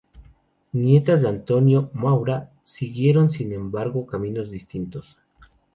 Nietas de Antonio Maura, siguieron sin embargo caminos distintos.